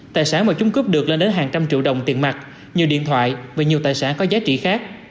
tài sản mà chúng cướp được lên đến hàng trăm triệu đồng tiền mặt nhiều điện thoại và nhiều tài sản có giá trị khác